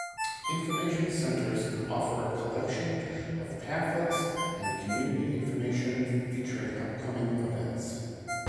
Information centers offer a collection of pamphlets and community information featuring upcoming events.